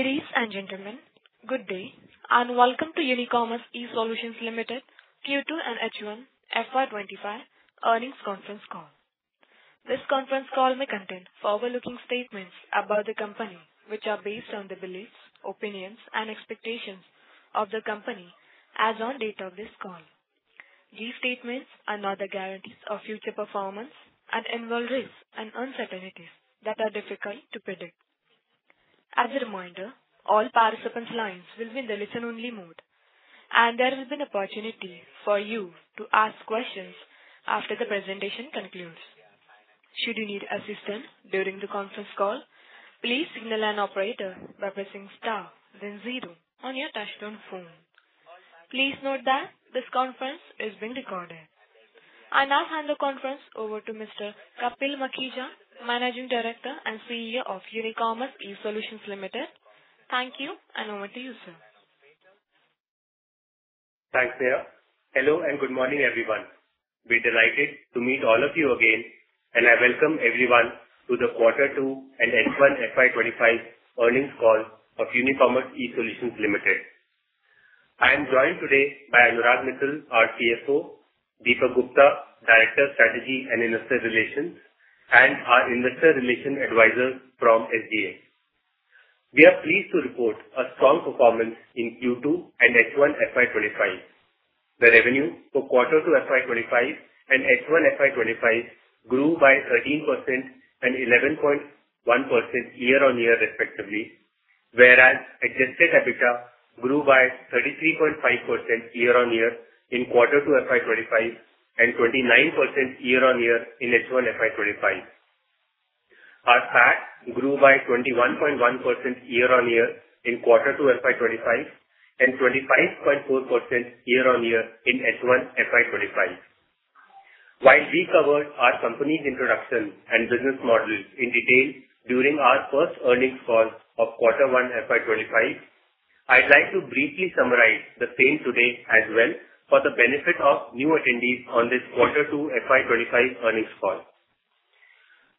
Ladies and gentlemen, good day, and welcome to Unicommerce eSolutions Limited Q2 and H1 FY 2025 Earnings Conference Call. This conference call may contain forward-looking statements about the company, which are based on the beliefs, opinions, and expectations of the company as on date of this call. These statements are not the guarantees of future performance and involve risks and uncertainties that are difficult to predict. As a reminder, all participants' lines will be in the listen-only mode, and there will be an opportunity for you to ask questions after the presentation concludes. Should you need assistance during the conference call, please signal an operator by pressing star, then zero on your touchtone phone. Please note that this conference is being recorded. I now hand the conference over to Mr. Kapil Makhija, Managing Director and CEO of Unicommerce eSolutions Limited. Thank you, and over to you, sir. Thanks, Neha. Hello, and good morning, everyone. We're delighted to meet all of you again, and I welcome everyone to the Q2 and H1 FY 2025 earnings call of Unicommerce eSolutions Limited. I am joined today by Anurag Mittal, our CFO; Deepak Gupta, Director, Strategy and Investor Relations; and our investor relation advisor from SGA. We are pleased to report a strong performance in Q2 and H1 FY 2025. The revenue for Q2 FY 2025 and H1 FY 2025 grew by 13% and 11.1% year-on-year, respectively, whereas Adjusted EBITDA grew by 33.5% year-on-year in Q2 FY 2025 and 29% year-on-year in H1 FY 2025. Our PAT grew by 21.1% year-on-year in Q2 FY 2025 and 25.4% year-on-year in H1 FY 2025. While we covered our company's introduction and business models in detail during our first earnings call of quarter one FY 2025, I'd like to briefly summarize the same today as well for the benefit of new attendees on this quarter two FY 2025 earnings call.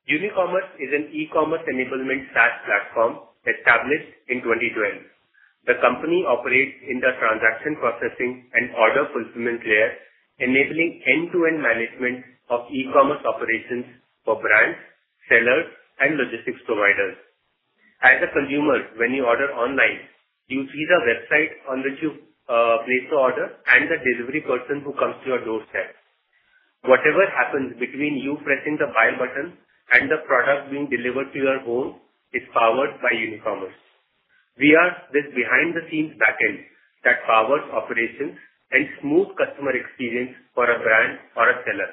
Unicommerce is an e-commerce enablement SaaS platform established in 2020. The company operates in the transaction processing and order fulfillment layer, enabling end-to-end management of e-commerce operations for brands, sellers, and logistics providers. As a consumer, when you order online, you see the website on which you place the order and the delivery person who comes to your doorstep. Whatever happens between you pressing the buy button and the product being delivered to your home is powered by Unicommerce. We are this behind-the-scenes backend that powers operations and smooth customer experience for a brand or a seller.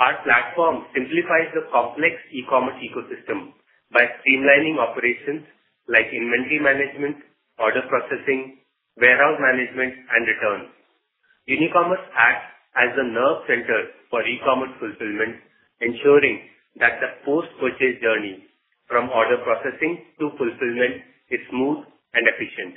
Our platform simplifies the complex e-commerce ecosystem by streamlining operations like inventory management, order processing, warehouse management, and returns. Unicommerce acts as a nerve center for e-commerce fulfillment, ensuring that the post-purchase journey from order processing to fulfillment is smooth and efficient.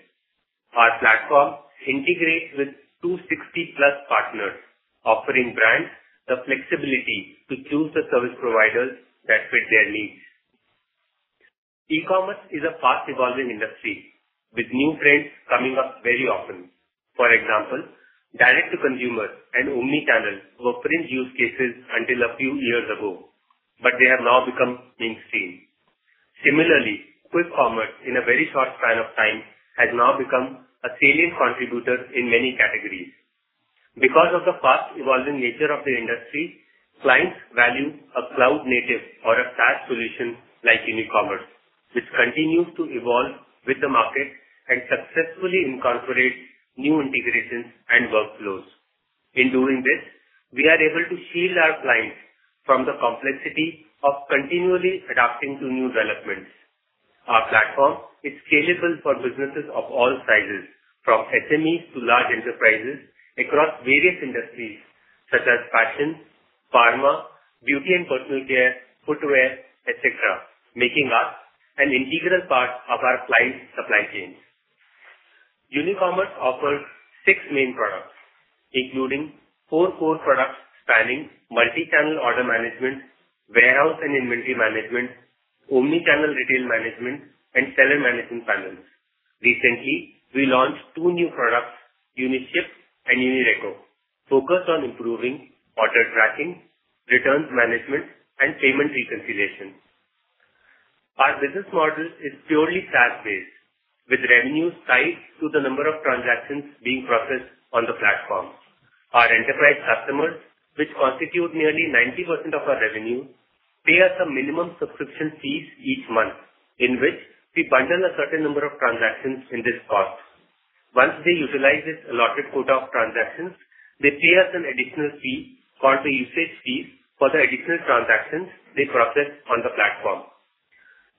Our platform integrates with 260-plus partners, offering brands the flexibility to choose the service providers that fit their needs. E-commerce is a fast-evolving industry, with new trends coming up very often. For example, direct-to-consumer and omni-channel were fringe use cases until a few years ago, but they have now become mainstream. Similarly, quick commerce, in a very short span of time, has now become a salient contributor in many categories. Because of the fast-evolving nature of the industry, clients value a cloud-native or a SaaS solution like Unicommerce, which continues to evolve with the market and successfully incorporates new integrations and workflows. In doing this, we are able to shield our clients from the complexity of continually adapting to new developments. Our platform is scalable for businesses of all sizes, from SMEs to large enterprises across various industries such as fashion, pharma, beauty and personal care, footwear, et cetera, making us an integral part of our clients' supply chains. Unicommerce offers six main products, including four core products spanning multi-channel order management, warehouse and inventory management, omni-channel retail management, and seller management panels. Recently, we launched two new products, UniShip and UniReco, focused on improving order tracking, returns management, and payment reconciliation. Our business model is purely SaaS-based, with revenue tied to the number of transactions being processed on the platform. Our enterprise customers, which constitute nearly 90% of our revenue, pay us a minimum subscription fees each month, in which we bundle a certain number of transactions in this cost. Once they utilize this allotted quota of transactions, they pay us an additional fee, called the usage fee, for the additional transactions they process on the platform.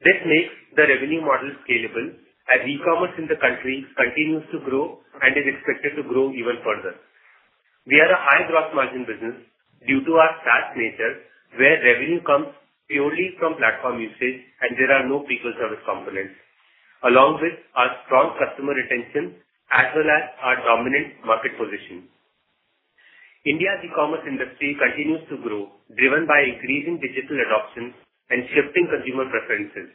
This makes the revenue model scalable as e-commerce in the country continues to grow and is expected to grow even further. We are a high gross margin business due to our SaaS nature, where revenue comes purely from platform usage and there are no people service components, along with our strong customer retention as well as our dominant market position. India's e-commerce industry continues to grow, driven by increasing digital adoption and shifting consumer preferences.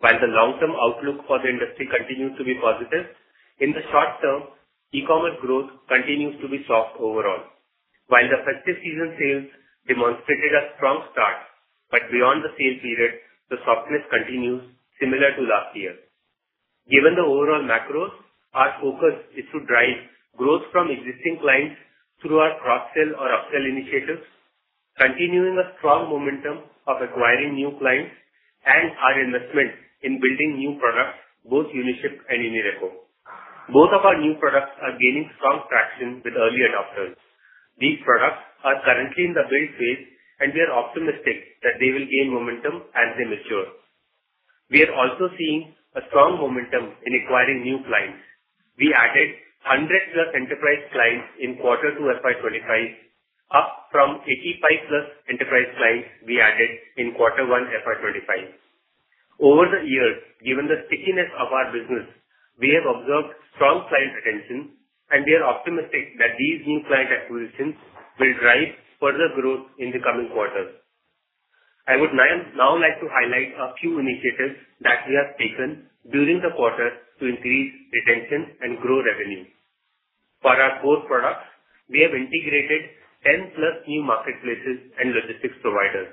While the long-term outlook for the industry continues to be positive, in the short term, e-commerce growth continues to be soft overall. While the festive season sales demonstrated a strong start, but beyond the sales period, the softness continues similar to last year. Given the overall macros, our focus is to drive growth from existing clients through our cross-sell or upsell initiatives, continuing a strong momentum of acquiring new clients and our investment in building new products, both UniShip and UniReco. Both of our new products are gaining strong traction with early adopters. These products are currently in the build phase, and we are optimistic that they will gain momentum as they mature. We are also seeing a strong momentum in acquiring new clients. We added 100-plus enterprise clients in quarter two FY 2025, up from 85-plus enterprise clients we added in quarter one FY 2025. Over the years, given the stickiness of our business, we have observed strong client retention, and we are optimistic that these new client acquisitions will drive further growth in the coming quarters. I would now like to highlight a few initiatives that we have taken during the quarter to increase retention and grow revenue. For our core products, we have integrated 10 plus new marketplaces and logistics providers.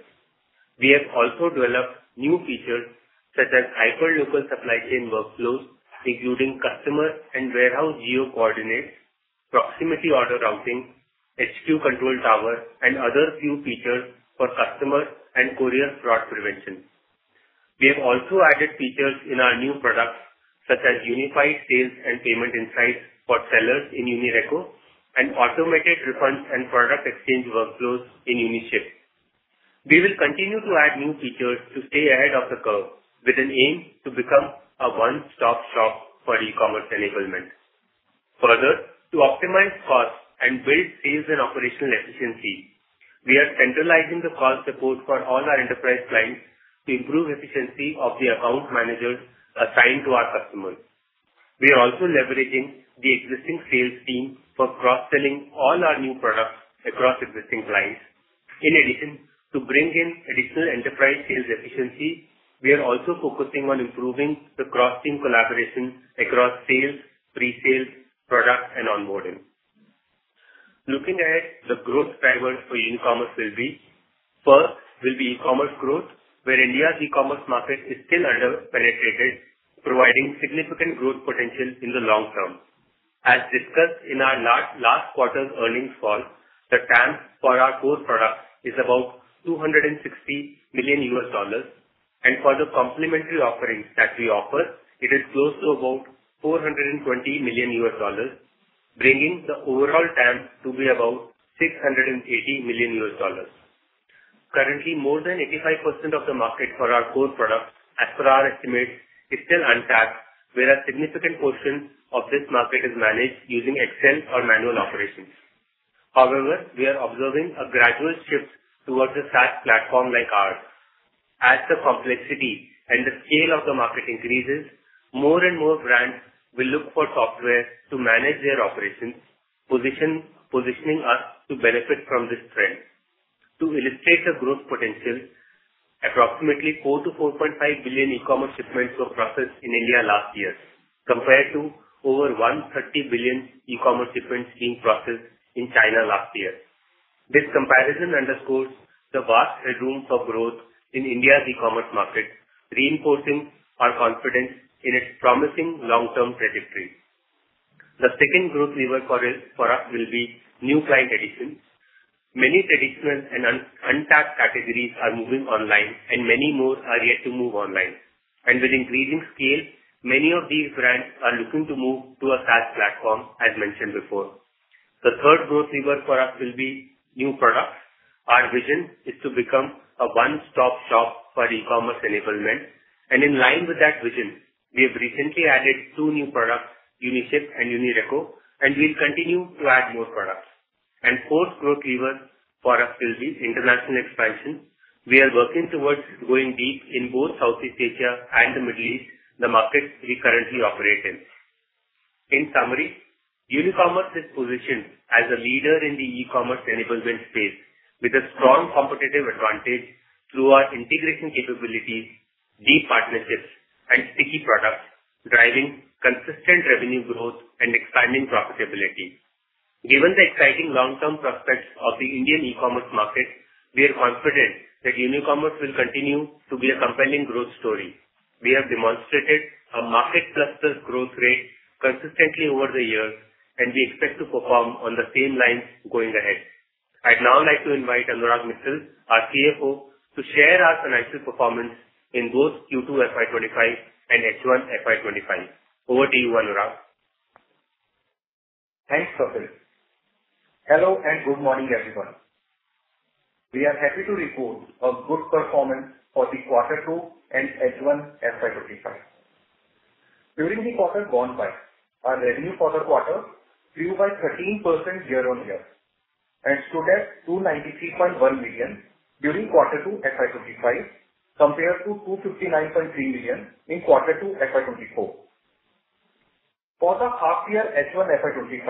We have also developed new features such as hyper local supply chain workflows, including customer and warehouse geo coordinates, proximity order routing, HQ control tower, and other new features for customer and courier fraud prevention. We have also added features in our new products, such as unified sales and payment insights for sellers in UniReco and automated refunds and product exchange workflows in UniShip. We will continue to add new features to stay ahead of the curve, with an aim to become a one-stop shop for e-commerce enablement. Further, to optimize costs and build sales and operational efficiency, we are centralizing the call support for all our enterprise clients to improve efficiency of the account managers assigned to our customers. We are also leveraging the existing sales team for cross-selling all our new products across existing clients. In addition, to bring in additional enterprise sales efficiency, we are also focusing on improving the cross-team collaboration across sales, pre-sales, product, and onboarding. Looking at the growth drivers for Unicommerce will be: First, will be e-commerce growth, where India's e-commerce market is still under-penetrated, providing significant growth potential in the long term. As discussed in our last quarter's earnings call, the TAM for our core products is about $260 million, and for the complementary offerings that we offer, it is close to about $420 million, bringing the overall TAM to be about $680 million. Currently, more than 85% of the market for our core products, as per our estimates, is still untapped, whereas significant portion of this market is managed using Excel or manual operations. However, we are observing a gradual shift towards a SaaS platform like ours. As the complexity and the scale of the market increases, more and more brands will look for software to manage their operations, positioning us to benefit from this trend. To illustrate the growth potential, approximately 4-4.5 billion e-commerce shipments were processed in India last year, compared to over 130 billion e-commerce shipments being processed in China last year. This comparison underscores the vast headroom for growth in India's e-commerce market, reinforcing our confidence in its promising long-term trajectory. The second growth lever for us will be new client additions. Many traditional and untapped categories are moving online, and many more are yet to move online. And with increasing scale, many of these brands are looking to move to a SaaS platform, as mentioned before. The third growth lever for us will be new products. Our vision is to become a one-stop shop for e-commerce enablement, and in line with that vision, we have recently added two new products, Uniship and Unireco, and we'll continue to add more products. The fourth growth lever for us will be international expansion. We are working towards going deep in both Southeast Asia and the Middle East, the markets we currently operate in. In summary, Unicommerce is positioned as a leader in the e-commerce enablement space, with a strong competitive advantage through our integration capabilities, deep partnerships, and sticky products, driving consistent revenue growth and expanding profitability. Given the exciting long-term prospects of the Indian e-commerce market, we are confident that Unicommerce will continue to be a compelling growth story. We have demonstrated a market cluster growth rate consistently over the years, and we expect to perform on the same lines going ahead. I'd now like to invite Anurag Mittal, our CFO, to share our financial performance in both Q2 FY 2025 and H1 FY 2025. Over to you, Anurag. Thanks, Kapil. Hello, and good morning, everyone. We are happy to report a good performance for the quarter two and H1 FY 2025. During the quarter gone by, our revenue for the quarter grew by 13% year on year and stood at 293.1 million during quarter two FY 2025, compared to 259.3 million in quarter two FY 2024. For the half year H1 FY 2025,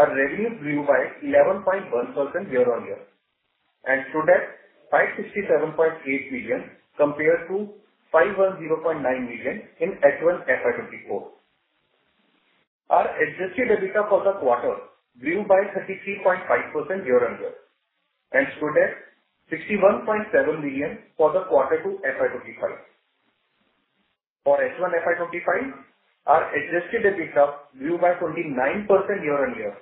our revenue grew by 11.1% year-on-year and stood at 567.8 million, compared to 510.9 million in H1 FY 2024. Our adjusted EBITDA for the quarter grew by 33.5% year-on-year, and stood at 61.7 million for the quarter two FY 2025. For H1 FY 2025, our adjusted EBITDA grew by 29% year-on-year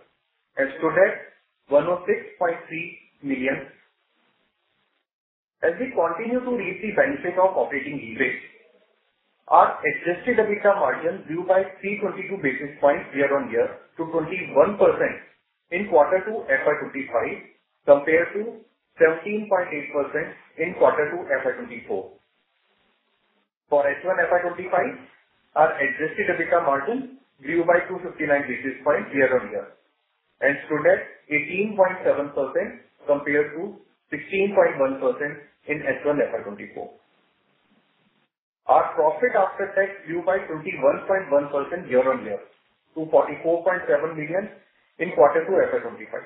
and stood at 106.3 million. As we continue to reap the benefit of operating leverage, our adjusted EBITDA margin grew by 322 basis points year-on-year to 21% in quarter two FY 2025, compared to 17.8% in quarter two FY 2024. For H1 FY 2025, our adjusted EBITDA margin grew by 259 basis points year-on-year and stood at 18.7% compared to 16.1% in H1 FY 2024. Our profit after tax grew by 21.1% year-on-year to 44.7 million in quarter two FY 2025.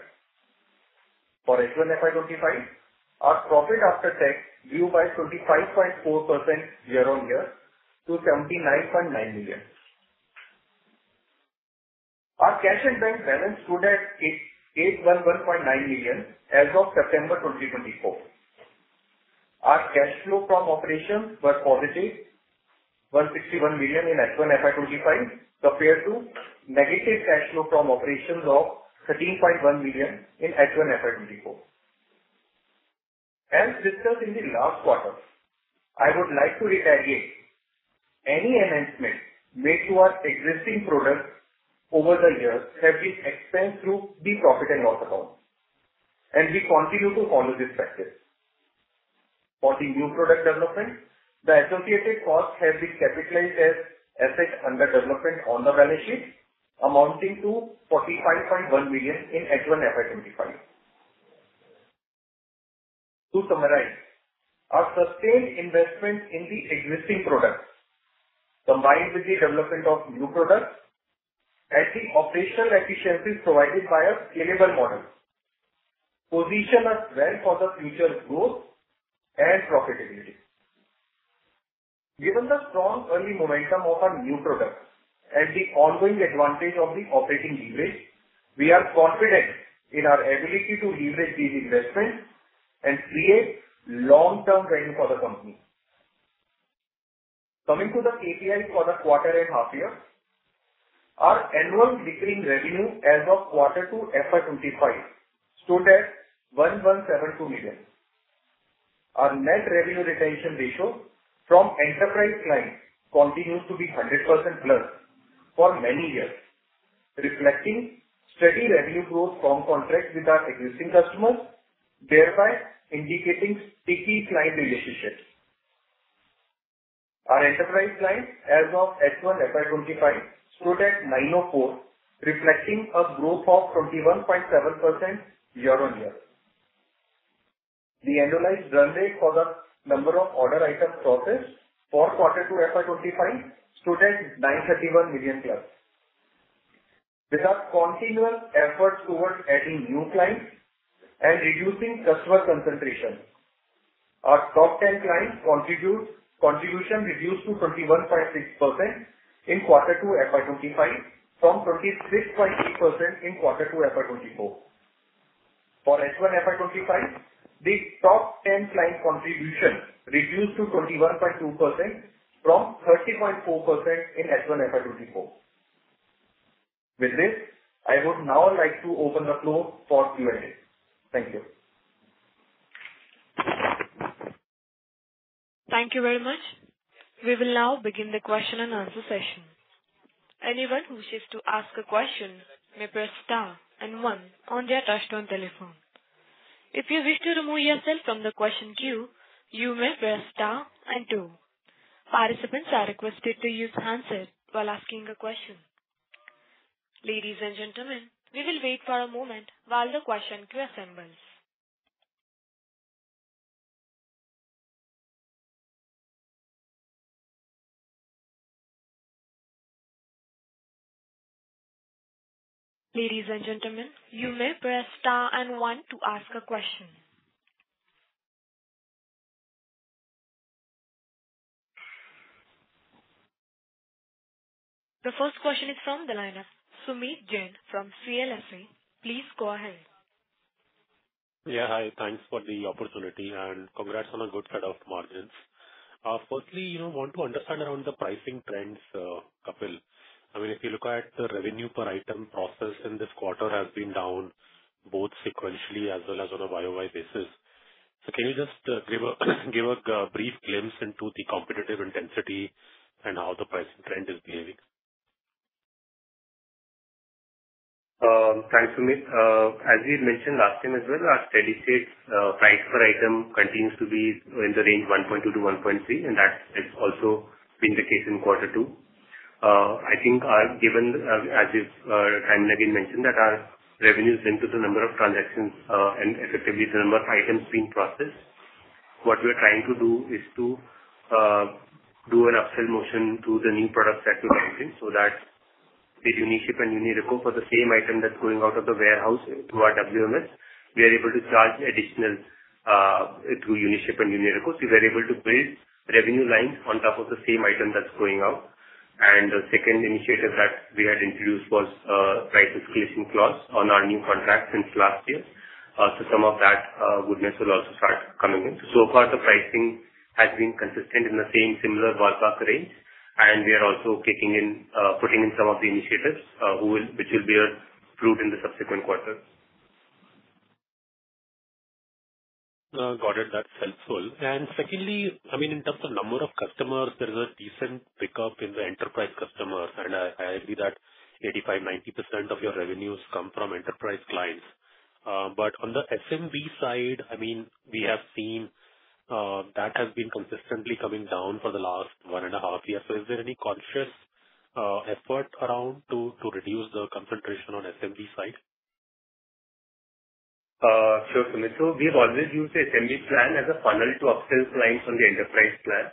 For H1 FY 2025, our profit after tax grew by 25.4% year-on-year to 79.9 million. Our cash and bank balance stood at 881.9 million as of September 2024. Our cash flow from operations were positive INR 161 million in H1 FY 2025, compared to negative cash flow from operations of INR 13.1 million in H1 FY 2024. As discussed in the last quarter, I would like to reiterate, any enhancements made to our existing products over the years have been expensed through the profit and loss account, and we continue to follow this practice. For the new product development, the associated costs have been capitalized as assets under development on the balance sheet, amounting to INR 45.1 million in H1 FY 2025. To summarize, our sustained investment in the existing products, combined with the development of new products and the operational efficiencies provided by our scalable model, position us well for the future growth and profitability. Given the strong early momentum of our new products and the ongoing advantage of the operating leverage, we are confident in our ability to leverage these investments and create long-term value for the company. Coming to the KPIs for the quarter and half year, our annual recurring revenue as of quarter two FY 2025 stood at INR 117.2 million. Our net revenue retention ratio from enterprise clients continues to be 100% plus for many years, reflecting steady revenue growth from contracts with our existing customers, thereby indicating sticky client relationships. Our enterprise clients as of H1 FY 2025 stood at 904, reflecting a growth of 21.7% year-on-year. The annualized run rate for the number of order items processed for quarter two FY 2025 stood at 931 million plus. With our continual efforts towards adding new clients and reducing customer concentration, our top 10 clients' contribution reduced to 21.6% in quarter two FY 2025, from 26.8% in quarter two FY 2024. For H1 FY 2025, the top 10 client contribution reduced to 21.2% from 30.4% in H1 FY 2024. With this, I would now like to open the floor for Q&A. Thank you. Thank you very much. We will now begin the question and answer session. Anyone who wishes to ask a question may press star and one on their touch-tone telephone. If you wish to remove yourself from the question queue, you may press star and two. Participants are requested to use handset while asking a question. Ladies and gentlemen, we will wait for a moment while the question queue assembles. Ladies and gentlemen, you may press star and one to ask a question. The first question is from the line of Sumeet Jain, from CLSA. Please go ahead. Yeah, hi. Thanks for the opportunity and congrats on a good set of margins. Firstly, you know, want to understand around the pricing trends, Kapil. I mean, if you look at the revenue per item processed in this quarter has been down both sequentially as well as on a YOY basis. So can you just give a brief glimpse into the competitive intensity and how the pricing trend is behaving? Thanks, Sumit. As we've mentioned last time as well, our steady state price per item continues to be in the range 1.2-1.3, and that has also been the case in quarter two. I think, given as we've time and again mentioned, that our revenues linked to the number of transactions, and effectively the number of items being processed. what we're trying to do is to do an upsell motion to the new product set we have in so that the Uniship and Unireco for the same item that's going out of the warehouse through our WMS, we are able to charge additional through Uniship and Unireco. So we are able to build revenue lines on top of the same item that's going out. And the second initiative that we had introduced was price escalation clause on our new contract since last year. So some of that goodness will also start coming in. So far, the pricing has been consistent in the same similar ballpark range, and we are also kicking in putting in some of the initiatives which will bear fruit in the subsequent quarters. Got it. That's helpful. And secondly, I mean, in terms of number of customers, there is a decent pickup in the enterprise customers, and I read that 85%-90% of your revenues come from enterprise clients. But on the SMB side, I mean, we have seen that has been consistently coming down for the last one and a half years. So is there any conscious effort around to reduce the concentration on SMB side? Sure, Sumit. So we've always used the SMB plan as a funnel to upsell clients on the enterprise plan.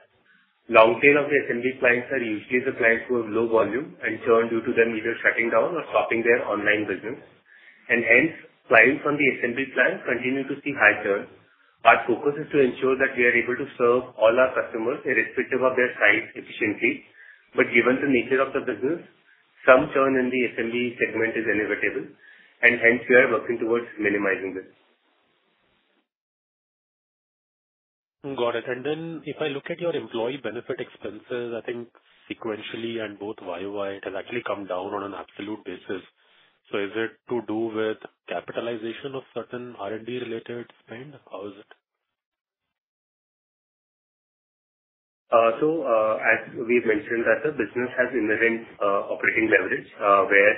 Long tail of the SMB clients are usually the clients who have low volume and churn due to them either shutting down or stopping their online business. And hence, clients on the SMB plan continue to see high churn. Our purpose is to ensure that we are able to serve all our customers, irrespective of their size, efficiently. But given the nature of the business, some churn in the SMB segment is inevitable, and hence, we are working towards minimizing this. Got it. And then if I look at your employee benefit expenses, I think sequentially and both Y-o-Y, it has actually come down on an absolute basis. So is it to do with capitalization of certain R&D-related spend? How is it? So, as we've mentioned, that the business has inherent operating leverage, where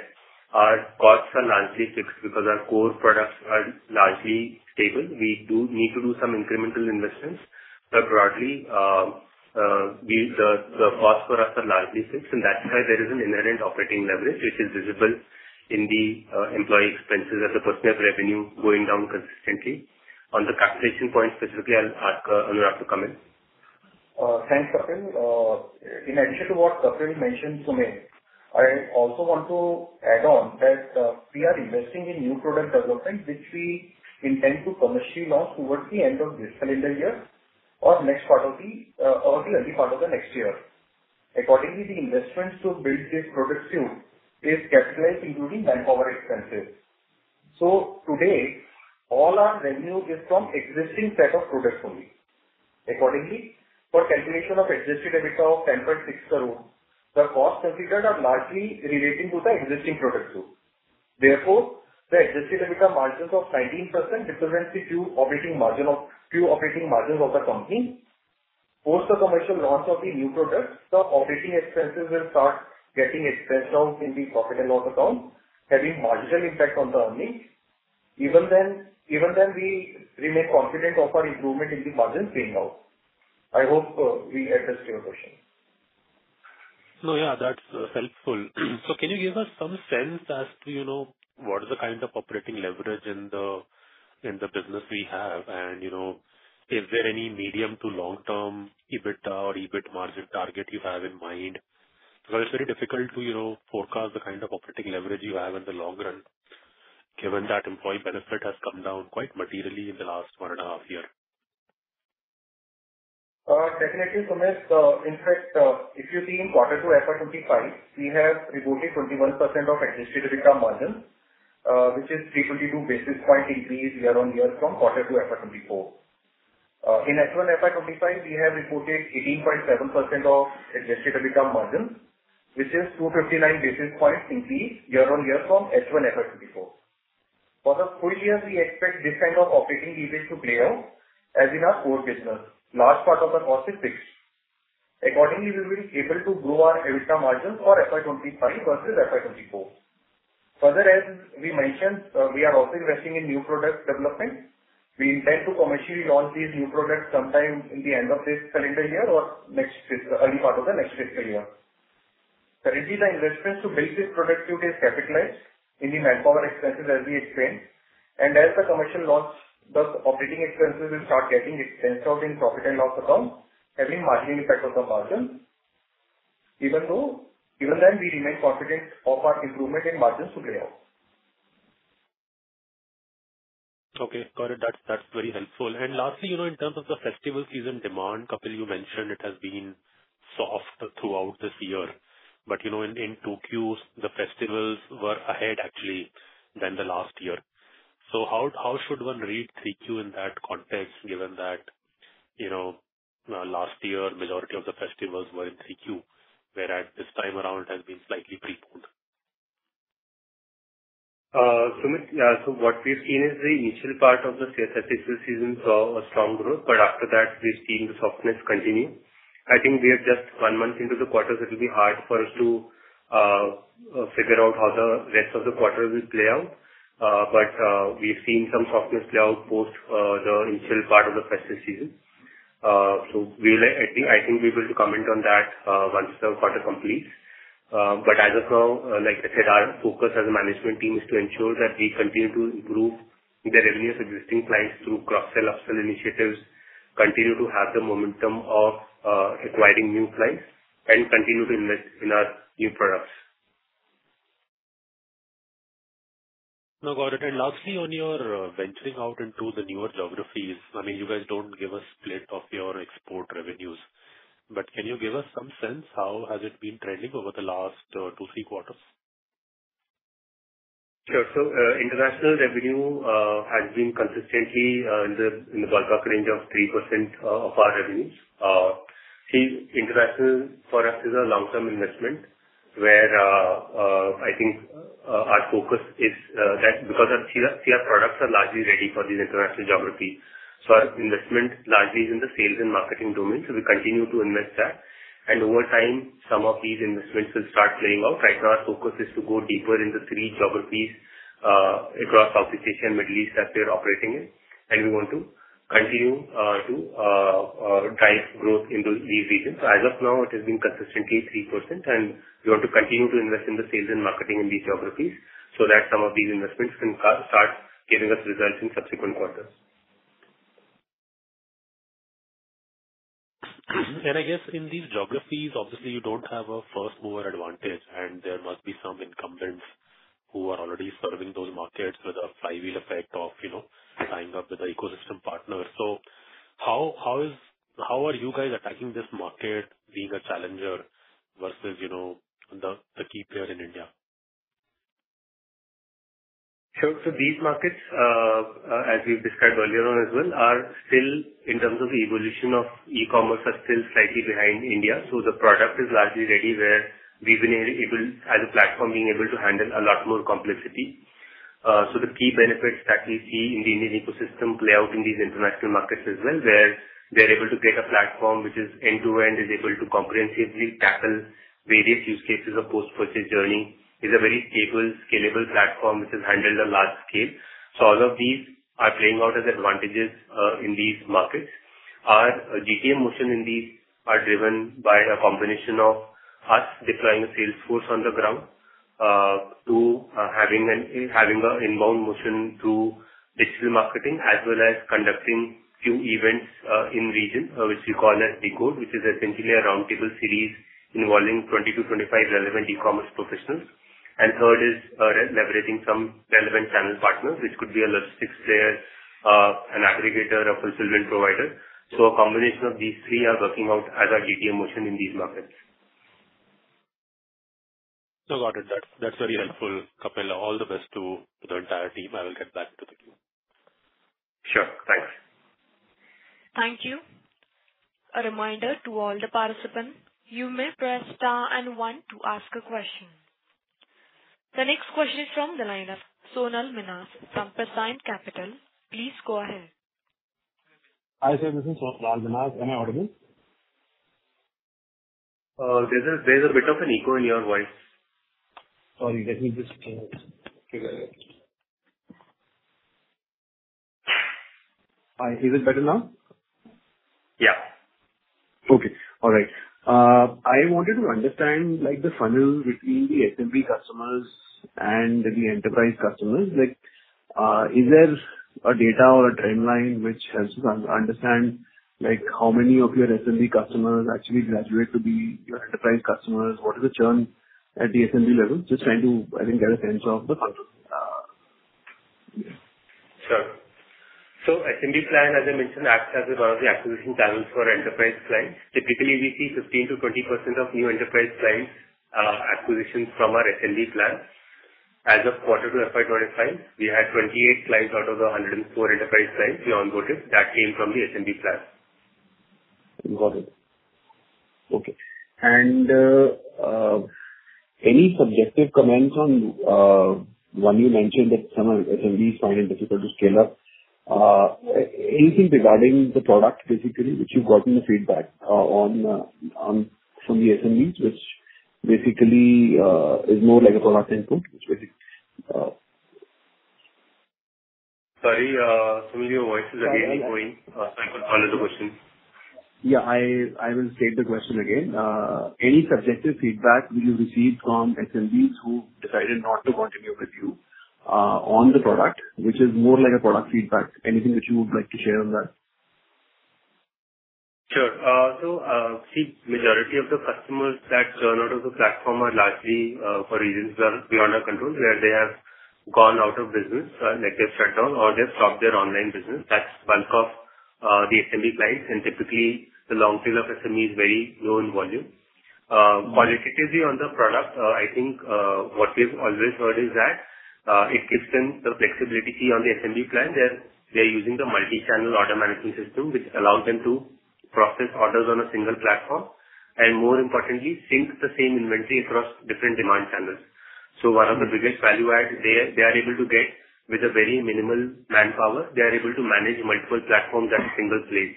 our costs are largely fixed because our core products are largely stable. We do need to do some incremental investments, but broadly, we, the costs for us are largely fixed, and that's why there is an inherent operating leverage which is visible in the employee expenses as a percentage of revenue going down consistently. On the capitalization point specifically, I'll ask Anurag to come in. Thanks, Kapil. In addition to what Kapil mentioned, Sumit, I also want to add on that, we are investing in new product development, which we intend to commercially launch towards the end of this calendar year or next part of the, or the early part of the next year. Accordingly, the investments to build this product suite is capitalized, including manpower expenses. So today, all our revenue is from existing set of products only. Accordingly, for calculation of adjusted EBITDA of 10.6 crore, the costs considered are largely relating to the existing product suite. Therefore, the adjusted EBITDA margins of 19% represents the true operating margins of the company. Post the commercial launch of the new products, the operating expenses will start getting expensed out in the profit and loss account, having marginal impact on the earnings. Even then, we remain confident of our improvement in the margins paying out. I hope we addressed your question. No, yeah, that's helpful. So can you give us some sense as to, you know, what is the kind of operating leverage in the, in the business we have? And, you know, is there any medium- to long-term EBITDA or EBIT margin target you have in mind? Because it's very difficult to, you know, forecast the kind of operating leverage you have in the long run, given that employee benefit has come down quite materially in the last one and a half years. Definitely, Sumit. In fact, if you see in quarter two FY 2025, we have reported 21% adjusted EBITDA margins, which is 3.2 basis point increase year on year from quarter two FY 2024. In FY 2025, we have reported 18.7% adjusted EBITDA margins, which is 259 basis point increase year on year from H1 FY 2024. For the full year, we expect this kind of operating leverage to play out as in our core business. Large part of the cost is fixed. Accordingly, we'll be able to grow our EBITDA margins for FY 2025 versus FY 2024. Further, as we mentioned, we are also investing in new product development. We intend to commercially launch these new products sometime in the end of this calendar year or early part of the next fiscal year. Currently, the investments to build this product suite is capitalized in the manpower expenses, as we explained, and as the commercial launch, the operating expenses will start getting extended in profit and loss account, having marginal impact on the margin. Even though, even then, we remain confident of our improvement in margins to play out. Okay, got it. That's, that's very helpful. And lastly, you know, in terms of the festival season demand, Kapil, you mentioned it has been soft throughout this year, but, you know, in twoQs, the festivals were ahead actually than the last year. So how should one read threeQ in that context, given that, you know, last year, majority of the festivals were in threeQ, whereas this time around it has been slightly pre-booked? Sumit, yeah. So what we've seen is the initial part of the festival season saw a strong growth, but after that, we've seen the softness continue. I think we are just one month into the quarter, so it will be hard for us to figure out how the rest of the quarter will play out. But we've seen some softness play out post the initial part of the festival season. So we'll, I think we're able to comment on that once the quarter completes. But as of now, like I said, our focus as a management team is to ensure that we continue to improve the revenues of existing clients through cross-sell, upsell initiatives, continue to have the momentum of acquiring new clients and continue to invest in our new products. No, got it. And lastly, on your venturing out into the newer geographies, I mean, you guys don't give a split of your export revenues, but can you give us some sense how has it been trending over the last, two, three quarters? Sure. So, international revenue has been consistently in the ballpark range of 3% of our revenues. See, international for us is a long-term investment, where I think our focus is that because our core products are largely ready for these international geographies. So our investment largely is in the sales and marketing domain, so we continue to invest that, and over time, some of these investments will start playing out. Right now, our focus is to go deeper into three geographies across South Asia and Middle East that we are operating in. And we want to continue to drive growth in those—these regions. As of now, it has been consistently 3%, and we want to continue to invest in the sales and marketing in these geographies, so that some of these investments can start giving us results in subsequent quarters. I guess in these geographies, obviously, you don't have a first mover advantage, and there must be some incumbents who are already serving those markets with a flywheel effect of, you know, tying up with the ecosystem partners. So how are you guys attacking this market, being a challenger versus, you know, the key player in India? Sure. So these markets, as we've discussed earlier on as well, are still in terms of the evolution of e-commerce, are still slightly behind India. So the product is largely ready, where we've been able, as a platform, being able to handle a lot more complexity. So the key benefits that we see in the Indian ecosystem play out in these international markets as well, where they're able to get a platform which is end-to-end, is able to comprehensively tackle various use cases of post-purchase journey, is a very stable, scalable platform which has handled a large scale. So all of these are playing out as advantages, in these markets. Our GTM motion in these are driven by a combination of us deploying a sales force on the ground, to having an inbound motion to digital marketing, as well as conducting few events in region, which we call as Decode, which is essentially a roundtable series involving 20-25 relevant e-commerce professionals. And third is leveraging some relevant channel partners, which could be a logistics player, an aggregator, a fulfillment provider. So a combination of these three are working out as our GTM motion in these markets. So got it. That’s very helpful, Kapil. All the best to the entire team. I will get back to the queue. Sure. Thanks. Thank you. A reminder to all the participants, you may press star and one to ask a question. The next question is from the line of Sonal Minhas from Prescient Capital. Please go ahead. Hi, this is Sonal Minhas. Am I audible? There's a bit of an echo in your voice. Sorry, let me just change. Okay, got it. Is it better now? Yeah. Okay. All right. I wanted to understand, like, the funnel between the SMB customers and the enterprise customers. Like, is there a data or a timeline which helps us understand, like, how many of your SMB customers actually graduate to be your enterprise customers? What is the churn at the SMB level? Just trying to, I think, get a sense of the funnel. Sure. So SMB plan, as I mentioned, acts as one of the acquisition channels for enterprise clients. Typically, we see 15%-20% of new enterprise clients acquisition from our SMB plan. As of quarter two FY 2025, we had 28 clients out of the 104 enterprise clients we onboarded that came from the SMB plan. Got it. Okay. And any subjective comments on one, you mentioned that some SMBs find it difficult to scale up. Anything regarding the product, basically, which you've gotten the feedback on on from the SMBs, which basically is more like a product input, which basic... Sorry, some of your voice is again going. Yeah, yeah. Sorry, could you repeat the question? Yeah, I, I will state the question again. Any subjective feedback that you've received from SMBs who decided not to continue with you, on the product, which is more like a product feedback? Anything which you would like to share on that? Sure. So, see, majority of the customers that churn out of the platform are largely for reasons that are beyond our control, where they have gone out of business, like they've shut down or they've stopped their online business. That's bulk of the SMB clients, and typically the long tail of SMB is very low in volume. Qualitatively on the product, I think, what we've always heard is that, it gives them the flexibility on the SMB plan, where they're using the multi-channel order management system, which allows them to process orders on a single platform, and more importantly, sync the same inventory across different demand channels. So one of the biggest value adds there, they are able to get with a very minimal manpower, they are able to manage multiple platforms at a single place.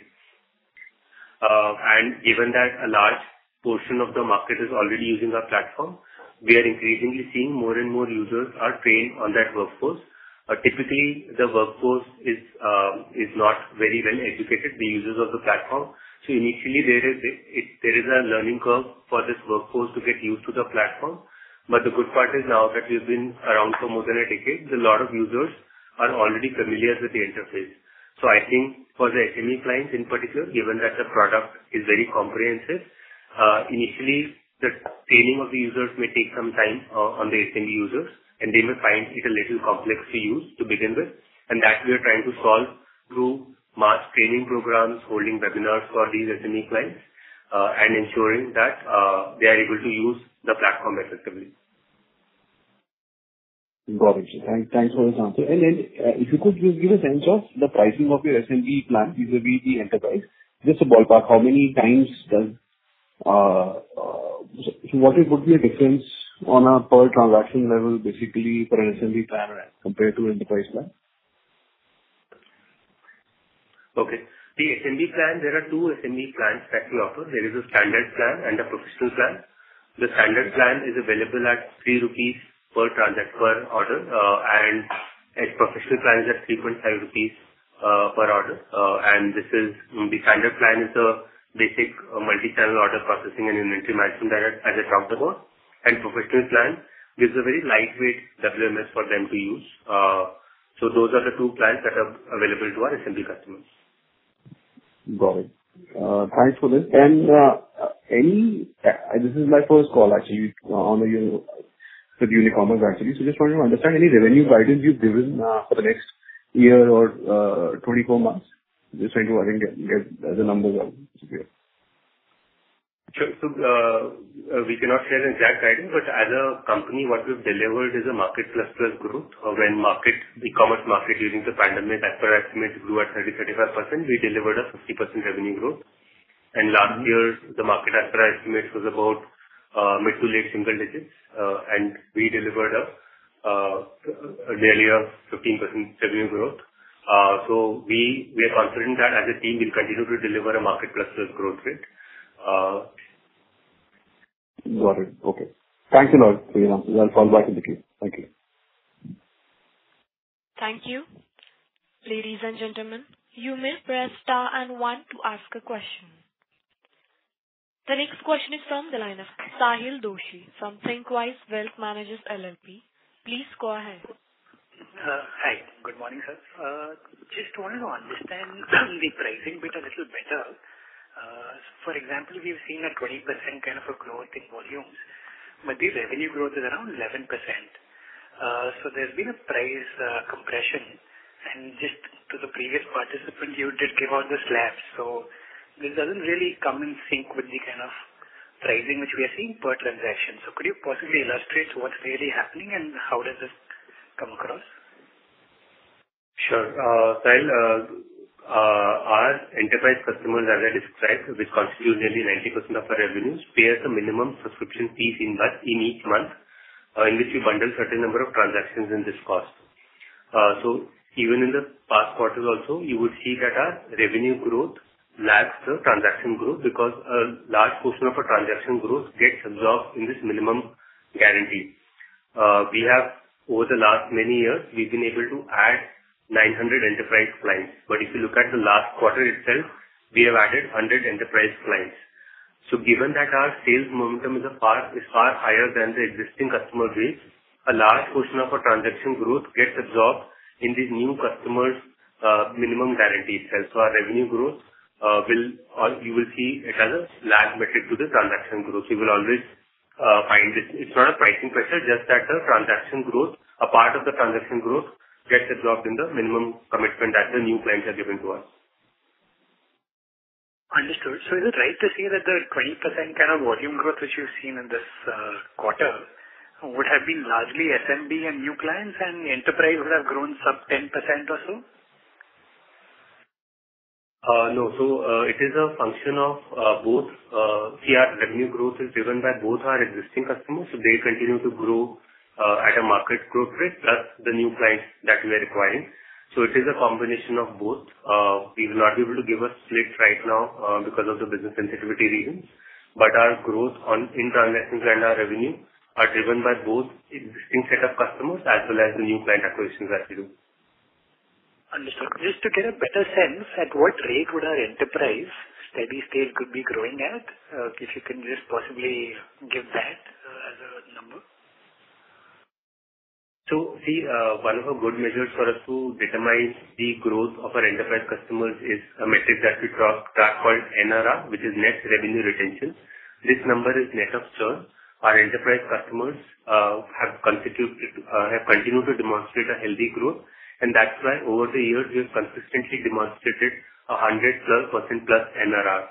And given that a large portion of the market is already using our platform, we are increasingly seeing more and more users are trained on that workforce. Typically, the workforce is not very well educated, the users of the platform. So initially, there is a learning curve for this workforce to get used to the platform. But the good part is now that we've been around for more than a decade, a lot of users are already familiar with the interface. So I think for the SME clients in particular, given that the product is very comprehensive, initially the training of the users may take some time, on the SME users, and they may find it a little complex to use to begin with. And that we are trying to solve through mass training programs, holding webinars for these SME clients, and ensuring that they are able to use the platform effectively. Got it. Thanks for the answer. Then, if you could just give a sense of the pricing of your SME plan vis-à-vis the enterprise. Just a ballpark. So what would be the difference on a per transaction level, basically for an SME plan compared to enterprise plan? Okay. The SME plan, there are two SME plans that we offer. There is a standard plan and a professional plan. The standard plan is available at 3 rupees per transaction, per order, and a professional plan is at 3.5 rupees, per order, and this is, the standard plan is a basic multi-channel order processing and inventory management that I just talked about, and professional plan gives a very lightweight WMS for them to use. So those are the two plans that are available to our SME customers. Got it. Thanks for this. And any... This is my first call, actually, on Unicommerce, actually. So just want to understand, any revenue guidance you've given, for the next year or twenty-four months? Just trying to, I think, get the numbers right. Yeah. Sure. We cannot share an exact guidance, but as a company, what we've delivered is a market plus plus growth. When market, e-commerce market, during the pandemic, as per estimate, grew at 30%-35%, we delivered a 50% revenue growth, and last year, the market, as per estimate, was about mid- to late-single digits, and we delivered nearly a 15% revenue growth. We are confident that as a team, we'll continue to deliver a market plus plus growth rate. Got it. Okay. Thank you a lot, Anurag. I'll fall back in the queue. Thank you. Thank you. Ladies and gentlemen, you may press star and one to ask a question. The next question is from the line of Sahil Doshi from Thinkwise Wealth Managers LLP. Please go ahead. Hi. Good morning, sir. Just wanted to understand the pricing bit a little better. For example, we've seen a 20% kind of a growth in volumes, but the revenue growth is around 11%. So there's been a price compression, and just to the previous participant, you did give out the slab. So this doesn't really come in sync with the kind of pricing which we are seeing per transaction. So could you possibly illustrate what's really happening and how does this come across? Sure. Sahil, our enterprise customers, as I described, which constitutes nearly 90% of our revenues, pay us a minimum subscription fee in that, in each month, in which we bundle certain number of transactions in this cost. So even in the past quarters also, you would see that our revenue growth lags the transaction growth, because a large portion of a transaction growth gets absorbed in this minimum guarantee. We have, over the last many years, we've been able to add 900 enterprise clients. But if you look at the last quarter itself, we have added 100 enterprise clients. So given that our sales momentum is far higher than the existing customer base, a large portion of our transaction growth gets absorbed in the new customers' minimum guarantee itself. So our revenue growth will all... You will see it has a lag metric to the transaction growth. You will always find it. It's not a pricing pressure, just that the transaction growth, a part of the transaction growth gets absorbed in the minimum commitment that the new clients have given to us. Understood. So is it right to say that the 20% kind of volume growth, which you've seen in this quarter, would have been largely SMB and new clients, and enterprise would have grown some 10% or so? No. So, it is a function of both. See, our revenue growth is driven by both our existing customers, so they continue to grow at a market growth rate, plus the new clients that we are acquiring. So it is a combination of both. We will not be able to give a split right now because of the business sensitivity reasons, but our growth in transactions and our revenue are driven by both existing set of customers as well as the new client acquisitions that we do. Understood. Just to get a better sense, at what rate would our enterprise steady state could be growing at? If you can just possibly give that, as a number. So, one of the good measures for us to determine the growth of our enterprise customers is a metric that we track called NRR, which is Net Revenue Retention. This number is net of churn. Our enterprise customers have continued to demonstrate a healthy growth, and that's why over the years, we've consistently demonstrated 100%+ NRR.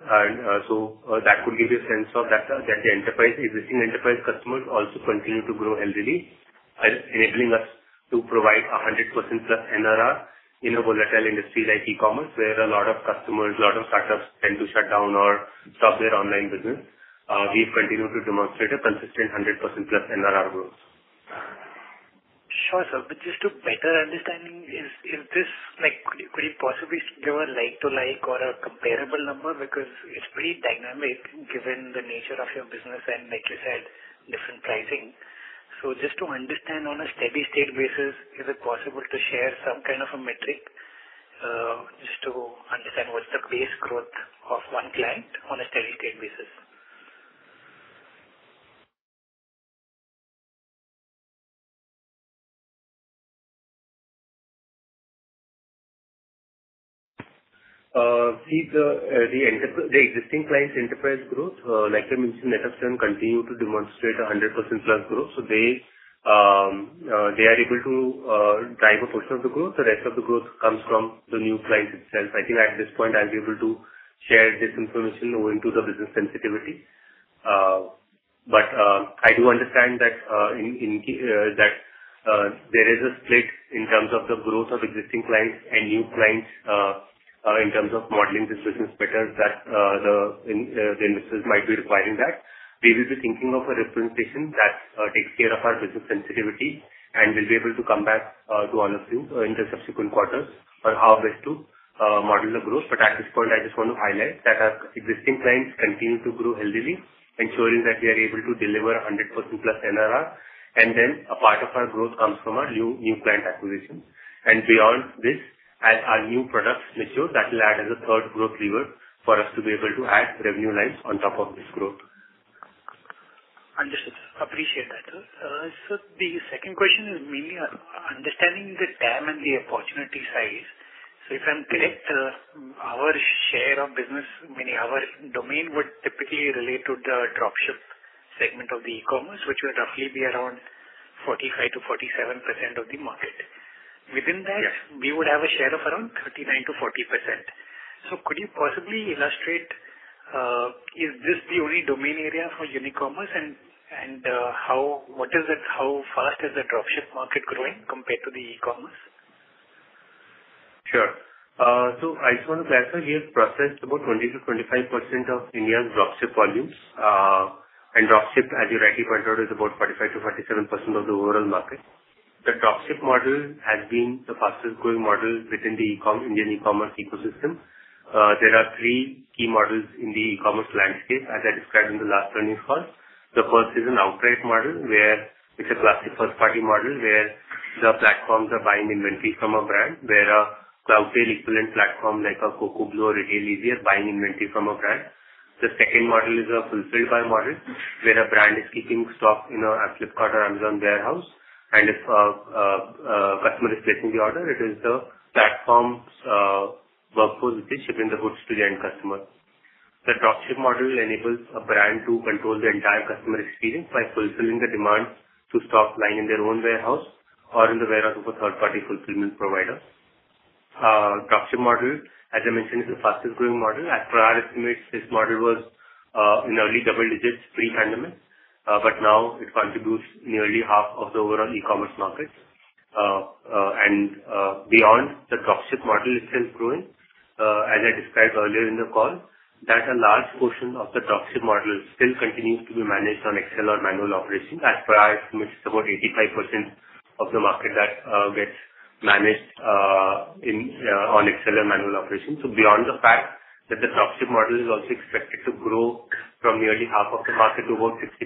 And so, that could give you a sense of that the existing enterprise customers also continue to grow healthily, enabling us to provide 100%+ NRR in a volatile industry like e-commerce, where a lot of customers, a lot of startups tend to shut down or stop their online business. We've continued to demonstrate a consistent 100%+ NRR growth. Sure, sir, but just to better understanding, is this like? Could you possibly give a like-to-like or a comparable number? Because it's pretty dynamic, given the nature of your business and like you said, different pricing. So just to understand on a steady state basis, is it possible to share some kind of a metric, just to understand what's the base growth of one client on a steady state basis? See the existing clients enterprise growth, like I mentioned, Netocern continue to demonstrate 100% plus growth. So they are able to drive a portion of the growth. The rest of the growth comes from the new clients itself. I think at this point, I'll be able to share this information into the business sensitivity. But I do understand that in that there is a split in terms of the growth of existing clients and new clients in terms of modeling this business better, that the investors might be requiring that. We will be thinking of a representation that takes care of our business sensitivity, and we'll be able to come back to all of you in the subsequent quarters on how best to model the growth. But at this point, I just want to highlight that our existing clients continue to grow healthily, ensuring that we are able to deliver 100% plus NRR. And then a part of our growth comes from our new client acquisitions. And beyond this, as our new products mature, that will add as a third growth lever for us to be able to add revenue lines on top of this growth. Understood. Appreciate that, sir. So the second question is mainly on understanding the TAM and the opportunity size. So if I'm correct, our share of business, meaning our domain, would typically relate to the dropship segment of the e-commerce, which would roughly be around 45%-47% of the market. Yes. Within that, we would have a share of around 39%-40%. So could you possibly illustrate, is this the only domain area for Unicommerce? And how fast is the dropship market growing compared to the e-commerce? Sure. So I just want to clarify here, processed about 20%-25% of India's dropship volumes. And dropship, as you rightly pointed out, is about 45%-47% of the overall market. The dropship model has been the fastest growing model within the e-com, Indian e-commerce ecosystem. There are three key models in the e-commerce landscape, as I described in the last earnings call. The first is an outright model, where it's a classic first party model, where the platforms are buying inventory from a brand, where a Cloudtail equivalent platform like a Cocoblu or Retailer are buying inventory from a brand. The second model is a fulfilled by model, where a brand is keeping stock in a Flipkart or Amazon warehouse, and if customer is placing the order, it is the platform's workforce, which is shipping the goods to the end customer. The dropship model enables a brand to control the entire customer experience by fulfilling the demand to stock lying in their own warehouse or in the warehouse of a third-party fulfillment provider. Dropship model, as I mentioned, is the fastest growing model. As per our estimates, this model was in early double digits pre-pandemic, but now it contributes nearly half of the overall e-commerce market, and beyond the dropship model is still growing. As I described earlier in the call, that a large portion of the dropship model still continues to be managed on Excel or manual operations. As per our estimates, about 85% of the market that gets managed on Excel and manual operations, so beyond the fact that the dropship model is also expected to grow from nearly half of the market to about 65%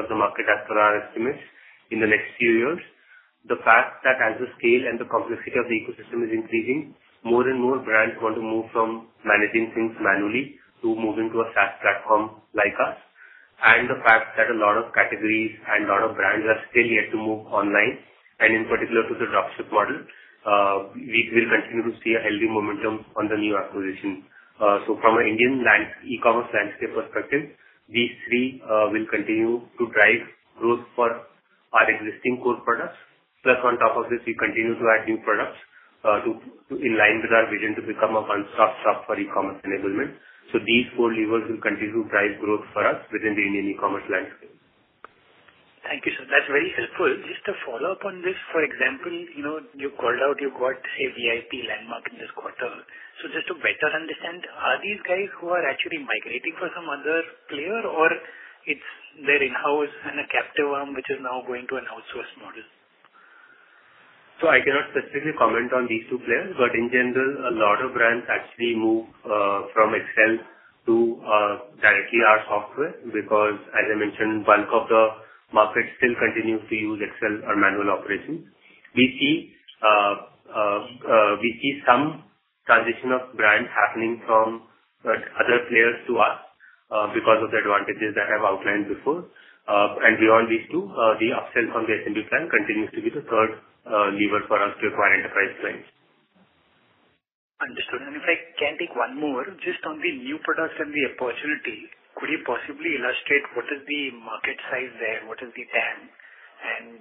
of the market, as per our estimates in the next few years, the fact that as the scale and the complexity of the ecosystem is increasing, more and more brands want to move from managing things manually to moving to a SaaS platform like us, and the fact that a lot of categories and a lot of brands are still yet to move online, and in particular to the dropship model, we will continue to see a healthy momentum on the new acquisition. So from an India and e-commerce landscape perspective, these three will continue to drive growth for our existing core products. Plus, on top of this, we continue to add new products to in line with our vision, to become a one-stop shop for e-commerce enablement. So these four levers will continue to drive growth for us within the Indian e-commerce landscape. Thank you, sir. That's very helpful. Just to follow up on this, for example, you know, you called out, you got, say, VIP, Landmark in this quarter. So just to better understand, are these guys who are actually migrating from some other player or it's their in-house and a captive arm, which is now going to an outsourced model? So I cannot specifically comment on these two players, but in general, a lot of brands actually move from Excel to directly our software, because as I mentioned, bulk of the market still continues to use Excel or manual operations. We see some transition of brands happening from other players to us, because of the advantages that I've outlined before. And beyond these two, the upsell from the assembly plan continues to be the third lever for us to acquire enterprise clients. Understood. And if I can take one more, just on the new products and the opportunity, could you possibly illustrate what is the market size there? What is the TAM? And,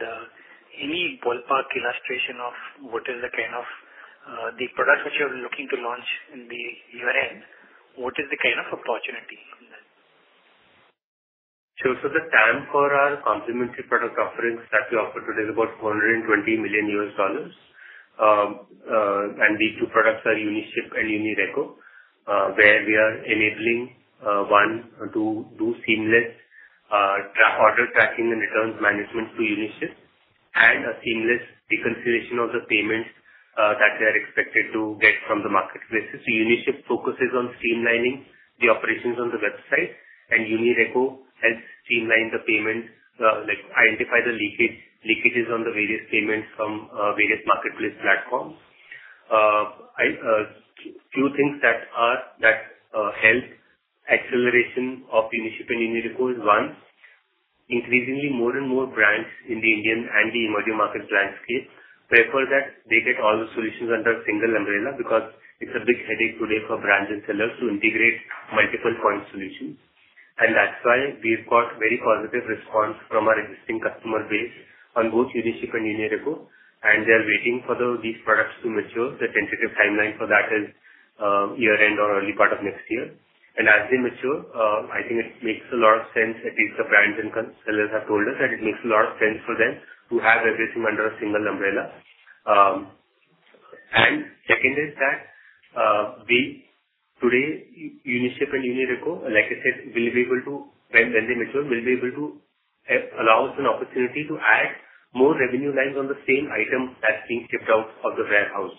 any ballpark illustration of what is the kind of, the products which you're looking to launch in the year end, what is the kind of opportunity in that? Sure, so the TAM for our complementary product offerings that we offer today is about $420 million. And these two products are Uniship and Unireco, where we are enabling two seamless order tracking and returns management to Uniship, and a seamless reconciliation of the payments that they are expected to get from the marketplace. Uniship focuses on streamlining the operations on the website, and Unireco helps streamline the payments, like identify the leakages on the various payments from various marketplace platforms. Two things that help acceleration of Uniship and Unireco is one, increasingly more and more brands in the Indian and the emerging market landscape prefer that they get all the solutions under a single umbrella, because it's a big headache today for brands and sellers to integrate multiple point solutions, and that's why we've got very positive response from our existing customer base on both Uniship and Unireco, and they are waiting for these products to mature. The tentative timeline for that is year-end or early part of next year, and as they mature, I think it makes a lot of sense. At least the brands and sellers have told us that it makes a lot of sense for them to have everything under a single umbrella. And second is that, we today, Uniship and Unireco, like I said, will be able to, when they mature, allow us an opportunity to add more revenue lines on the same item that's being shipped out of the warehouse.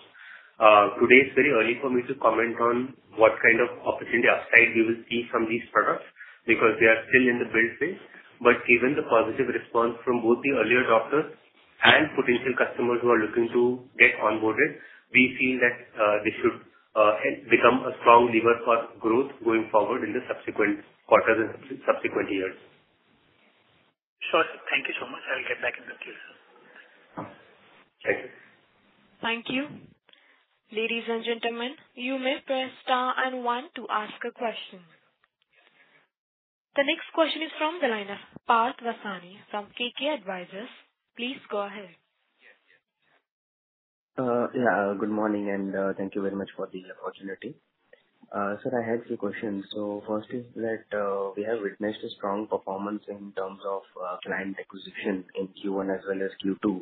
Today, it's very early for me to comment on what kind of opportunity upside we will see from these products, because they are still in the build phase. But given the positive response from both the earlier adopters and potential customers who are looking to get onboarded, we feel that, this should help become a strong lever for growth going forward in the subsequent quarters and subsequent years. Sure, sir. Thank you so much. I'll get back in touch with you, sir. Thank you. Thank you. Ladies and gentlemen, you may press star and one to ask a question. The next question is from the line of Parth Vasani from KK Advisors. Please go ahead. Yeah, good morning, and thank you very much for the opportunity. Sir, I had few questions. First is that we have witnessed a strong performance in terms of client acquisition in Q1 as well as Q2,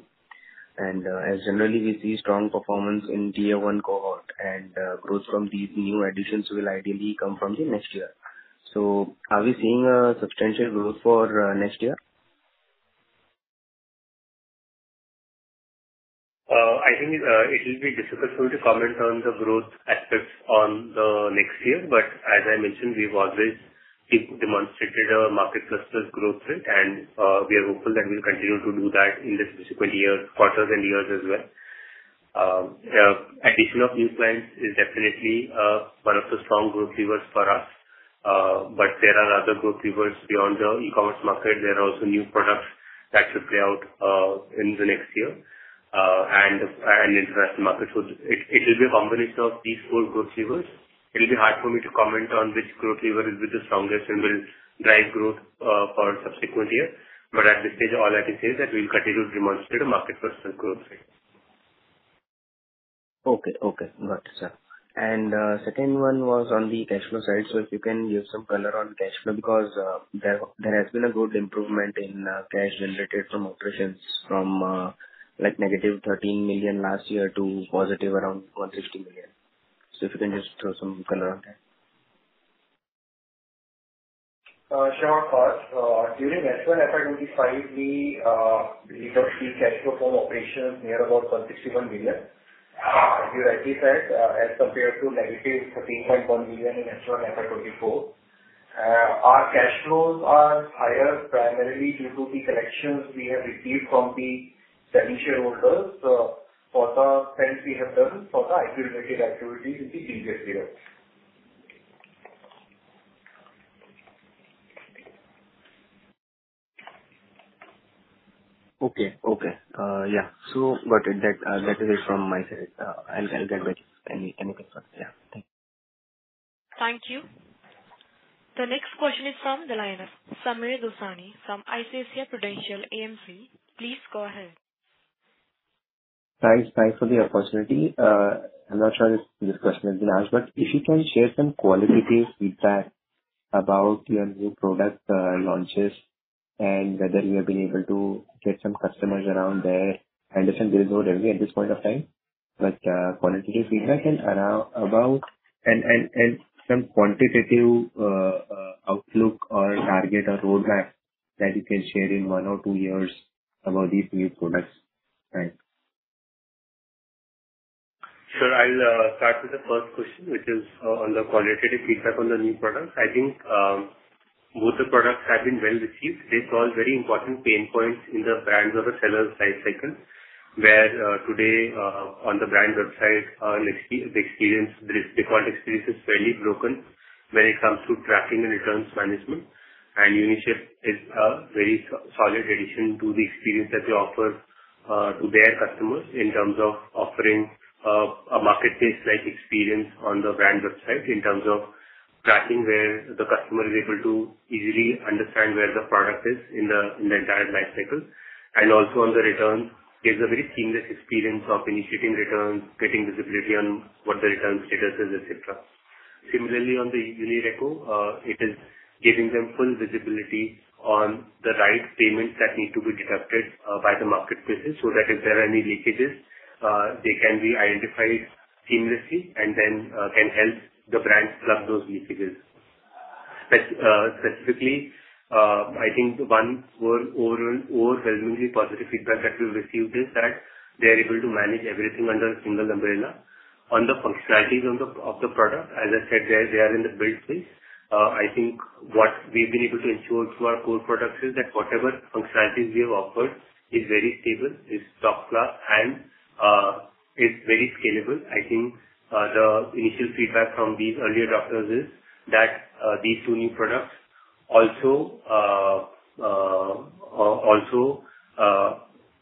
and as generally we see strong performance in tier one cohort, and growth from these new additions will ideally come from the next year. So are we seeing a substantial growth for next year? I think it will be difficult for me to comment on the growth aspects on the next year, but as I mentioned, we've always keep demonstrated our market cluster's growth rate, and we are hopeful that we'll continue to do that in the subsequent years, quarters and years as well. Addition of new clients is definitely one of the strong growth levers for us, but there are other growth levers beyond the e-commerce market. There are also new products that should play out in the next year and international markets, so it will be a combination of these four growth levers. It'll be hard for me to comment on which growth lever will be the strongest and will drive growth, for subsequent year, but at this stage, all I can say is that we'll continue to demonstrate a market first growth rate. Okay. Got it, sir. And second one was on the cash flow side. So if you can give some color on cash flow, because there has been a good improvement in cash generated from operations from like negative 13 million last year to positive around 160 million. So if you can just throw some color on that. Sure, Parth. During FY 2025, we got the cash flow from operations near about 161 million, you rightly said, as compared to negative 13.1 million in FY 2024. Our cash flows are higher, primarily due to the collections we have received from the initial holders, so for the spends we have done for the acquisition activities in the previous year. Okay. Okay. Yeah. So got it. That, that is it from my side. I'll get back any concerns. Yeah. Thank you. Thank you. The next question is from the line of Sameer Dosani from ICICI Prudential AMC. Please go ahead. Thanks. Thanks for the opportunity. I'm not sure if this question has been asked, but if you can share some qualitative feedback about your new product launches and whether you have been able to get some customers around there. I understand there is no revenue at this point of time, but qualitative feedback and around about and some quantitative outlook or target or roadmap that you can share in one or two years about these new products. Thanks. Sir, I'll start with the first question, which is on the qualitative feedback on the new products. I think both the products have been well received. They solve very important pain points in the brands or the sellers life cycle, where today on the brand website the experience, the default experience is fairly broken when it comes to tracking and returns management. And Uniship is a very solid addition to the experience that they offer to their customers in terms of offering a marketplace-like experience on the brand website, in terms of tracking, where the customer is able to easily understand where the product is in the entire life cycle. And also, on the return, gives a very seamless experience of initiating returns, getting visibility on what the return status is, et cetera. Similarly, on the Unireco, it is giving them full visibility on the right payments that need to be deducted by the marketplaces, so that if there are any leakages, they can be identified seamlessly and then can help the brands plug those leakages. Specifically, I think the one more overall overwhelmingly positive feedback that we've received is that they are able to manage everything under a single umbrella. On the functionalities of the product, as I said, they are in the build phase. I think what we've been able to ensure through our core products is that whatever functionalities we have offered is very stable, is top class, and is very scalable. I think the initial feedback from these early adopters is that these two new products also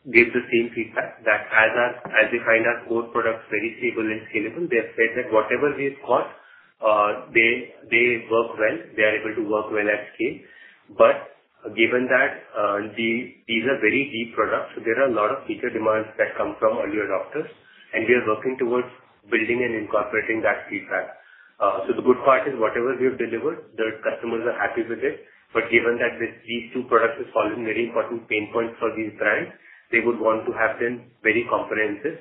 give the same feedback. That as they find our core products very stable and scalable, they have said that whatever we've got, they work well. They are able to work well at scale. But given that these are very deep products, there are a lot of feature demands that come from early adopters, and we are working towards building and incorporating that feedback. So the good part is whatever we have delivered, the customers are happy with it. But given that these two products are solving very important pain points for these brands, they would want to have them very comprehensive.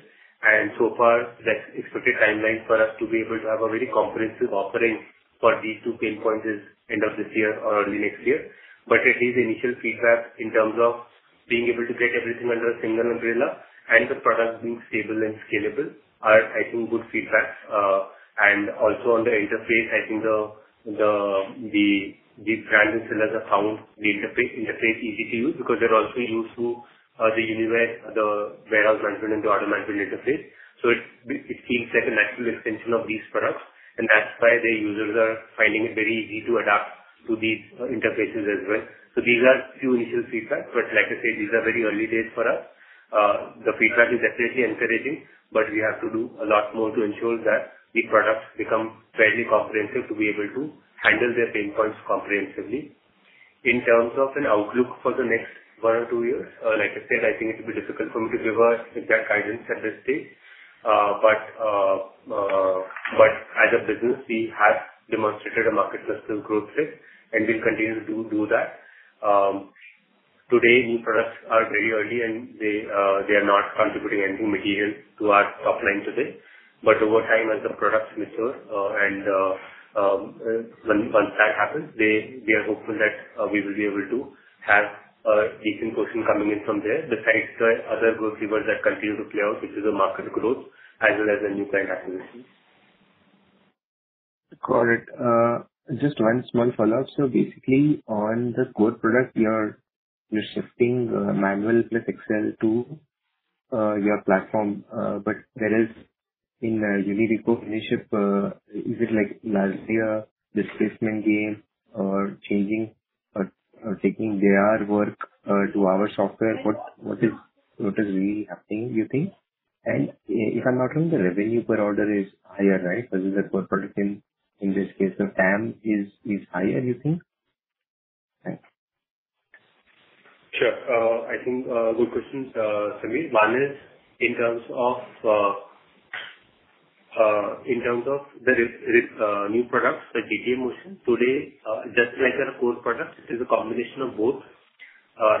So far, the expected timeline for us to be able to have a very comprehensive offering for these two pain points is end of this year or early next year. It is initial feedback in terms of being able to get everything under a single umbrella and the product being stable and scalable are, I think, good feedbacks. On the interface, I think the brand and sellers are found the interface easy to use, because they're also used to the Uniware, the warehouse management and the order management interface. It feels like a natural extension of these products, and that's why the users are finding it very easy to adapt to these interfaces as well. These are few initial feedbacks, but like I said, these are very early days for us. The feedback is definitely encouraging, but we have to do a lot more to ensure that the products become fairly comprehensive, to be able to handle their pain points comprehensively. In terms of an outlook for the next one or two years, like I said, I think it will be difficult for me to give an exact guidance at this stage, but as a business, we have demonstrated a market-leader growth rate, and we'll continue to do that. Today, new products are very early, and they are not contributing anything material to our top line today. But over time, as the products mature, and once that happens, we are hopeful that we will be able to have a decent portion coming in from there, besides the other growth levers that continue to play out, which is the market growth as well as the new client acquisition. Got it. Just one small follow-up. So basically, on the core product, you are, you're shifting manual plus Excel to your platform. But there is in Uniware ownership, is it like last year displacement game or changing or taking their work to our software? What is really happening, you think? And if I'm not wrong, the revenue per order is higher, right? Because the core product in this case, the TAM is higher, you think? Thanks. Sure. I think good questions, Sameer. One is in terms of the new products, the Uniship and Unireco. Today, just like our core products, it is a combination of both.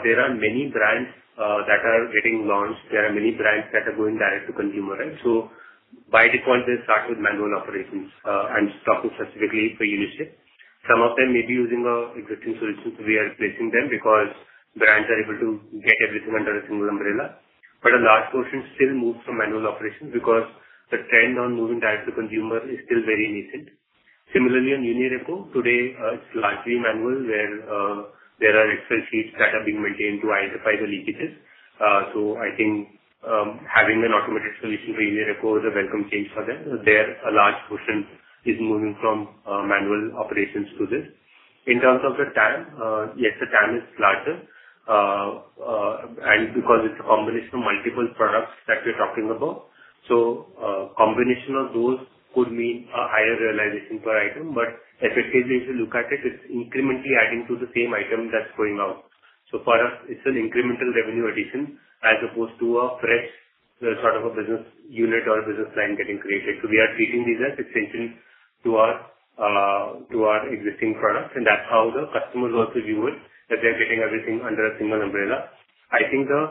There are many brands that are getting launched. There are many brands that are going direct to consumer, right? So by default, they start with manual operations. I'm talking specifically for Uniship. Some of them may be using an existing solution. We are replacing them because brands are able to get everything under a single umbrella. But a large portion still moves from manual operations, because the trend on moving direct to consumer is still very nascent. Similarly, on Unireco, today, it's largely manual, where there are Excel sheets that are being maintained to identify the leakages. So I think, having an automated solution for Unireco is a welcome change for them. A large portion is moving from manual operations to this. In terms of the TAM, yes, the TAM is larger, and because it's a combination of multiple products that we're talking about. So, combination of those could mean a higher realization per item, but effectively, if you look at it, it's incrementally adding to the same item that's going out. So for us, it's an incremental revenue addition, as opposed to a fresh, sort of a business unit or a business line getting created. So we are treating these as extensions to our, to our existing products, and that's how the customers also view it, that they're getting everything under a single umbrella. I think the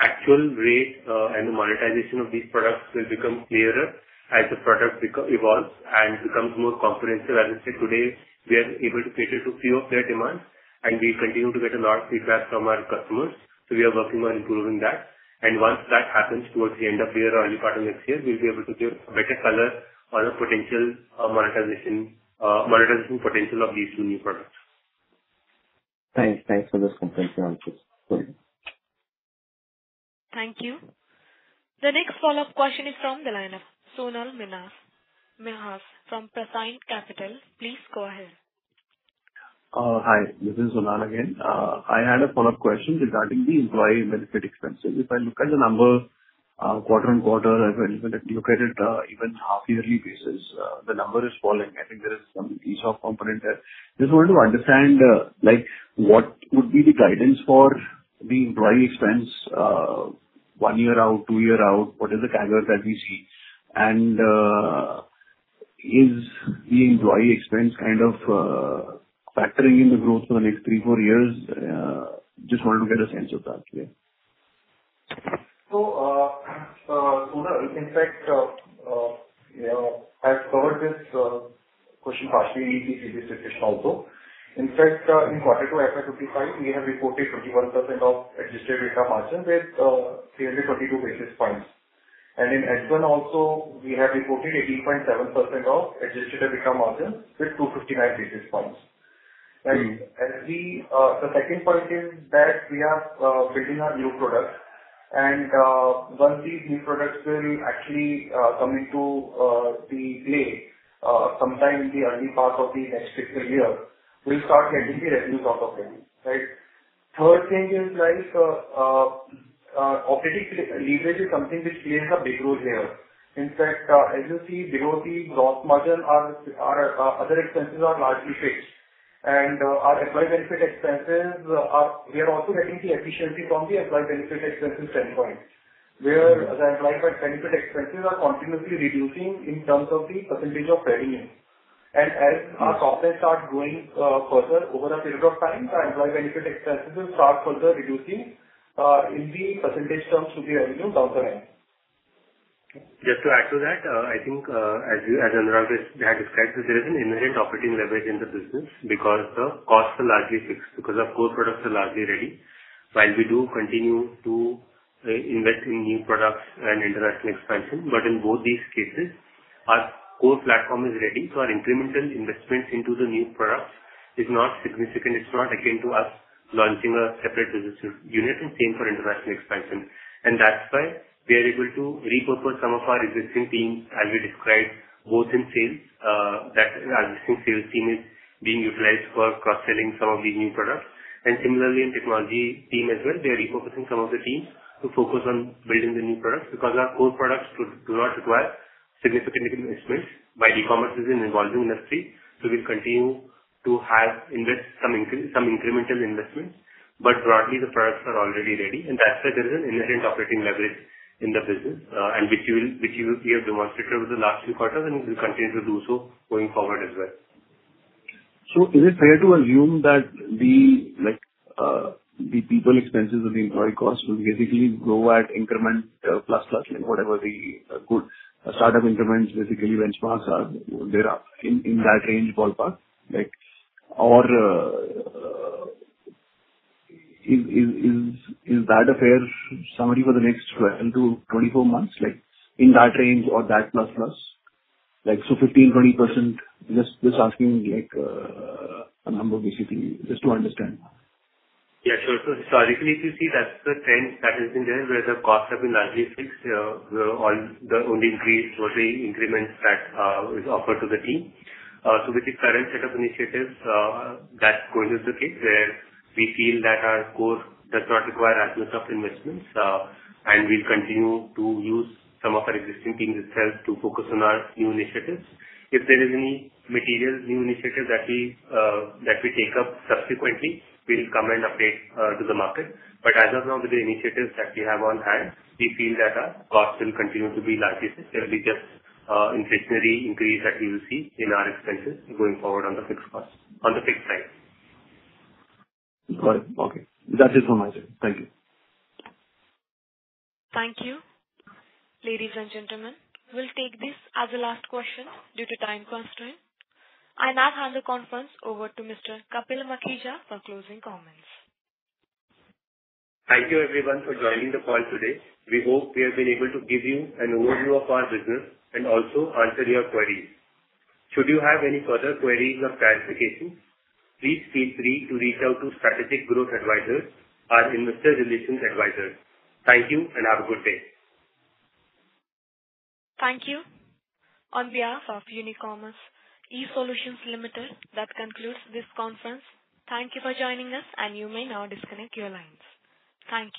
actual rate, and the monetization of these products will become clearer as the product evolves and becomes more comprehensive. As I said, today, we are able to cater to few of their demands, and we continue to get a lot of feedback from our customers, so we are working on improving that, and once that happens, towards the end of the year or early part of next year, we'll be able to give a better color on the potential of monetization, monetization potential of these two new products. Thanks. Thanks for those comprehensive answers. Thank you. Thank you. The next follow-up question is from the line of Sonal Minhas from Prescient Capital. Please go ahead. Hi, this is Sonal again. I had a follow-up question regarding the employee benefit expenses. If I look at the numbers, quarter on quarter, and even if I look at it, even half-yearly basis, the number is falling. I think there is some piece of component there. Just wanted to understand, like, what would be the guidance for the employee expense, one year out, two year out? What is the CAGR that we see? And, is the employee expense kind of, factoring in the growth for the next three, four years? Just wanted to get a sense of that, actually. So, so in fact, you know, I've covered this question partially in the previous section also. In fact, in quarter two, FY 2025, we have reported 21% adjusted EBITDA margins with clearly 22 basis points. And in H1 also, we have reported 18.7% adjusted EBITDA margins with 259 basis points. Right. As we, the second point is that we are building our new products, and once these new products will actually come into play sometime in the early part of the next fiscal year, we'll start getting the revenues off of them, right? Third thing is like operating leverage is something which plays a big role here. In fact, as you see, below the gross margin, our other expenses are largely fixed, and our employee benefit expenses are. We are also getting the efficiency from the employee benefit expense standpoint, where the employee benefit expenses are continuously reducing in terms of the percentage of revenue, and as our topline starts growing further over a period of time, our employee benefit expenses will start further reducing in the percentage terms to the revenue down the line. Just to add to that, I think, as you, as Anurag has described, there is an inherent operating leverage in the business because the costs are largely fixed, because our core products are largely ready. While we do continue to invest in new products and international expansion, but in both these cases, our core platform is ready. So our incremental investments into the new products is not significant. It's not akin to us launching a separate business unit and same for international expansion. And that's why we are able to repurpose some of our existing teams, as we described, both in sales, that our existing sales team is being utilized for cross-selling some of the new products, and similarly in technology team as well. We are repurposing some of the teams to focus on building the new products, because our core products do not require significant investments. While e-commerce is an evolving industry, so we'll continue to have some incremental investments, but broadly, the products are already ready, and that's why there is an inherent operating leverage in the business, and which will we have demonstrated over the last few quarters, and we will continue to do so going forward as well. So is it fair to assume that the like the people expenses or the employee costs will basically grow at increment plus plus like whatever the good startup increments basically benchmarks are there in that range ballpark like. Or is that a fair summary for the next 12-24 months like in that range or that plus plus? Like so 15%-20% just asking like a number basically just to understand. Yeah, sure. So historically, if you see, that's the trend that has been there, where the costs have been largely fixed. The only, the only increase was the increments that is offered to the team. So with the current set of initiatives, that continues the case, where we feel that our core does not require as much of investments, and we'll continue to use some of our existing teams itself to focus on our new initiatives. If there is any material new initiatives that we take up subsequently, we'll come and update to the market. But as of now, with the initiatives that we have on hand, we feel that our costs will continue to be largely fixed. There will be just an inflationary increase that we will see in our expenses going forward on the fixed costs, on the fixed side. Got it. Okay, that's it from my side. Thank you. Thank you. Ladies and gentlemen, we'll take this as the last question due to time constraint. I now hand the conference over to Mr. Kapil Makhija for closing comments. Thank you, everyone, for joining the call today. We hope we have been able to give you an overview of our business and also answer your queries. Should you have any further queries or clarifications, please feel free to reach out to Strategic Growth Advisors, our investor relations advisors. Thank you and have a good day. Thank you. On behalf of Unicommerce eSolutions Limited, that concludes this conference. Thank you for joining us, and you may now disconnect your lines. Thank you.